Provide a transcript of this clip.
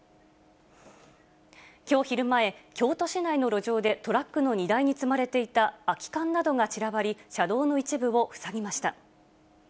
今日昼前、京都市内の路上でトラックの荷台に積まれていた空き缶などが散らばり車道の一部を塞ぎました。